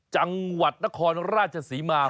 จังหวัดนครราชศรีมา